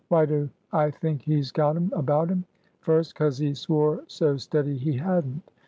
Why do I think he's got 'em about him? First, 'cos he swore so steady he hadn't.